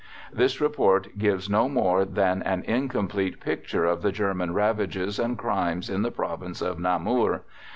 This Report gives no more than an incomplete picture of the German ravages and crimes in the Province of Namur.